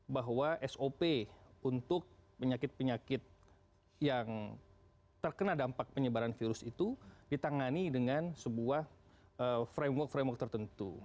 bahwa sop untuk penyakit penyakit yang terkena dampak penyebaran virus itu ditangani dengan sebuah framework framework tertentu